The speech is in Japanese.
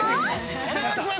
◆お願いします。